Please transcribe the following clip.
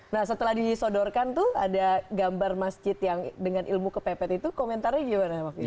nah setelah disodorkan tuh ada gambar masjid yang dengan ilmu kepepet itu komentarnya gimana